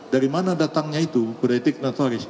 dari mana datangnya itu kode etik natoris